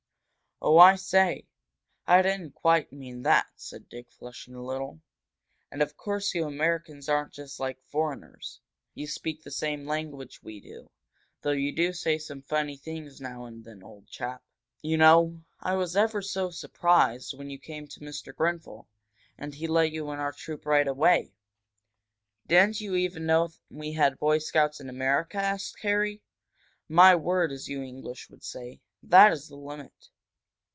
"Oh, I say, I didn't quite mean that," said Dick, flushing a little. "And of course you Americans aren't just like foreigners. You speak the same language we do though you do say some funny things now and then, old chap. You know, I was ever so surprised when you came to Mr. Grenfel and he let you in our troop right away!" "Didn't you even know we had Boy Scouts in America?" asked Harry. "My word as you English would say. That is the limit!